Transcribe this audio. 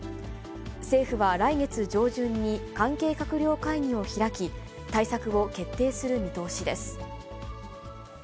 政府は来月上旬に関係閣僚会議を開き、対策を決定する見通しです。